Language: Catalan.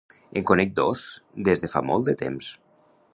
En conec dos des de fa molt de temps.